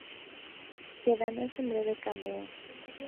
Sheeran hace un breve cameo.